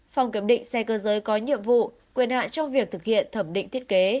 phòng kiểm định xe cơ giới có nhiệm vụ quyền hạn trong việc thực hiện thẩm định thiết kế